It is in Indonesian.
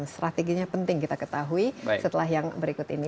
dan strateginya penting kita ketahui setelah yang berikut ini